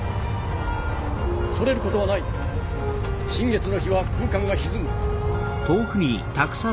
恐れることはない新月の日は空間がひずむ。